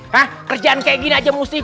ah kerjaan kayak gini aja mesti